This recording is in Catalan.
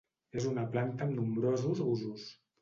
És una planta amb nombrosos usos.